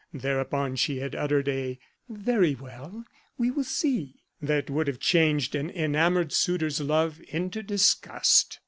Thereupon she had uttered a "very well, we will see!" that would have changed an enamoured suitor's love into disgust.